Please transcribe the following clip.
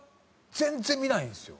全然見ないんですよ。